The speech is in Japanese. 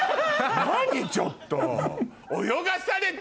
何ちょっと。